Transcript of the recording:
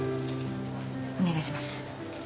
お願いします。